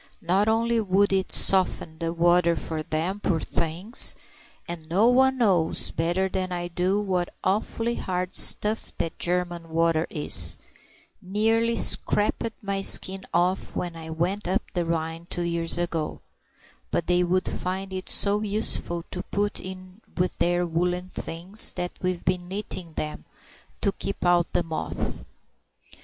Not only would it soften the water for them, poor things—and no one knows better than I do what awfully hard stuff that German water is; nearly scraped my skin off when I went up the Rhine two years ago—but they would find it so useful to put in with their woollen things that we've been knitting them, to keep out the moth."